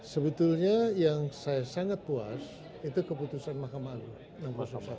sebetulnya yang saya sangat puas itu keputusan mahkamah agung